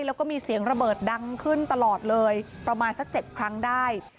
แล้วก็มีเสียงระเบิดดังขึ้นตลอดเลยประมาณสัก๗ครั้งได้